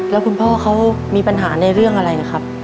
แล้วคุณพ่อเขามีปัญหาในเรื่องอะไรนะครับ